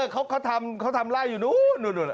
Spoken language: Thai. เขาทำไล่อยู่นู้น